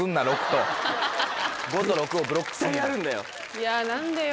いや何でよ。